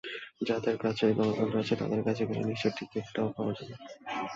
যাদের কাছে গণতন্ত্র আছে, তাদের কাছে গেলে নিশ্চয়ই টিকিটটাও পাওয়া যাবে।